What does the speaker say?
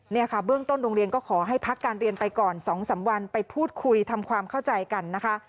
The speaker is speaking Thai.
เนี่ยค่ะเบื้องต้นโรงเรียนก็ขอให้พักการเรียนไปก่อน๒๓วันไปพูดคุยทำความเข้าใจกันนะคะ